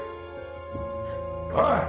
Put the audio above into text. おい！